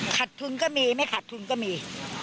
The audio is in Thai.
ขาดทุนก็มีไม่ขาดทุนก็มี